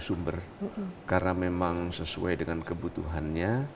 untuk membuatnya lebih mudah